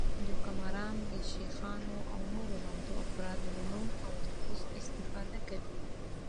دوکه ماران د شیخانو او نورو نامتو افرادو له نوم او نفوذ استفاده کوي